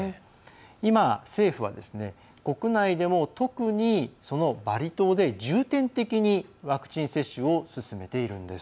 今、政府は国内でも特にそのバリ島で重点的にワクチン接種を進めているんです。